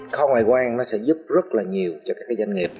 kho ngoại quan nó sẽ giúp rất là nhiều cho các doanh nghiệp